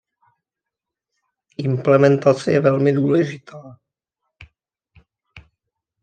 Implementace je velmi důležitá.